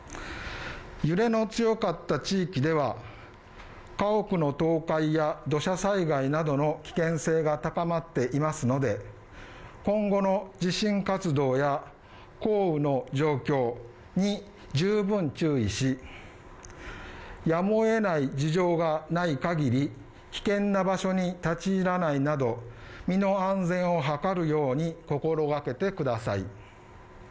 揺れの強かった地域では、家屋の倒壊や土砂災害などの危険性が高まっていますので、今後の地震活動や降雨の状況に十分注意し、やむを得ない事情がない限り、危険な場所に立ちいらないなど身の安全を図るように心がけてください。